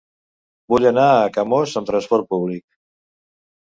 Vull anar a Camós amb trasport públic.